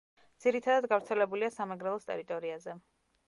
ძირითადად გავრცელებულია სამეგრელოს ტერიტორიაზე.